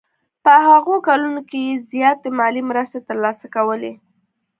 په هغو کلونو کې یې زیاتې مالي مرستې ترلاسه کولې.